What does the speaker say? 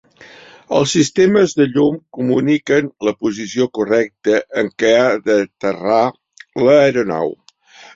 Els sistemes de llum comuniquen la posició correcta en què ha d'aterrar l'aeronau.